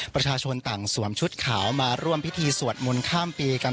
ประชาชนต่างสวมชุดขาวมาร่วมพิธีสวดมนต์ข้ามปีกัน